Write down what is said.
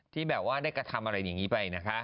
ที่แบบว่าได้กระทำอะไรอย่างนี้ไปนะคะ